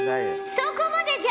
そこまでじゃ！